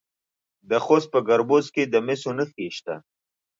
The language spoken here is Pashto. د خوست په ګربز کې د مسو نښې شته.